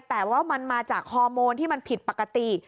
แต่ว่ามันมาจากฮอร์โมนที่มันผิดปกติ